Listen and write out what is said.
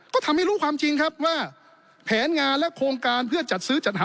ก็ทำให้รู้ความจริงครับว่าแผนงานและโครงการเพื่อจัดซื้อจัดหา